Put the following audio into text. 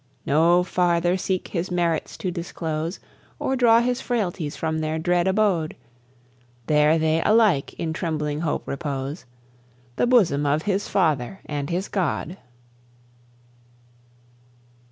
No farther seek his merits to disclose, Or draw his frailties from their dread abode, (There they alike in trembling hope repose,) The bosom of his Father and his God.